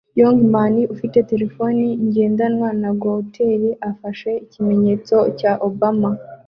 Yong man ufite terefone ngendanwa na goatee afashe ikimenyetso cya Obama